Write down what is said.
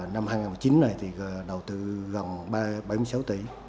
năm hai nghìn chín này thì đầu tư gần bảy mươi sáu tỷ